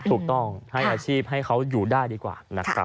ถูกต้องให้อาชีพให้เขาอยู่ได้ดีกว่านะครับ